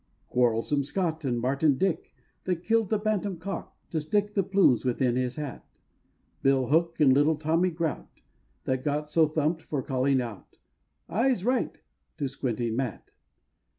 "Quarrelsome Scott," and Martin Dick, That kill'd the bantam cock, to stick The plumes within his hat; Bill Hook, and little Tommy Grout, That got so thump'd for calling out "Eyes right!" to "Squinting Matt."